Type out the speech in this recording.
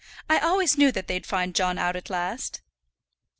"I always knew that they'd find John out at last."